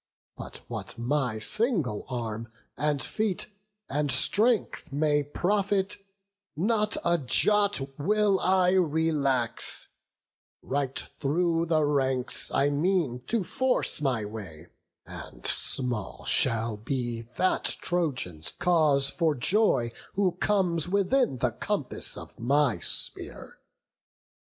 But what my single arm, and feet, and strength May profit, not a jot will I relax; Right through the ranks I mean to force my way; And small shall be that Trojan's cause for joy, Who comes within the compass of my spear."